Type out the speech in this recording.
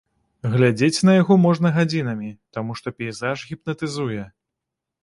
Глядзець на яго можна гадзінамі, таму што пейзаж гіпнатызуе.